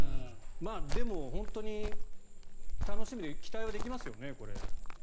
でも本当に楽しみで期待はできますよね、これ。